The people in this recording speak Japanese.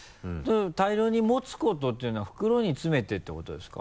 「大量に持つこと」っていうのは袋に詰めてってことですか？